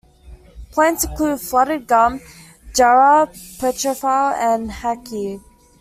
Plants include flooded gum, jarrah, petrophile and hakea.